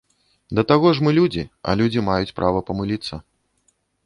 Да таго ж, мы людзі, а людзі маюць права памыліцца.